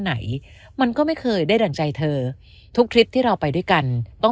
ไหนมันก็ไม่เคยได้ดั่งใจเธอทุกคลิปที่เราไปด้วยกันต้อง